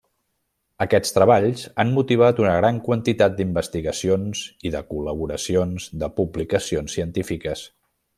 Aquests treballs han motivat una gran quantitat d'investigacions i de col·laboracions de publicacions científiques.